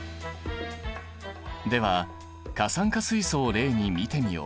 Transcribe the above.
では過酸化水素を例に見てみよう。